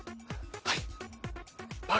はい！